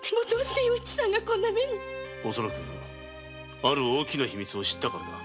恐らくある大きな秘密を知ったからだ。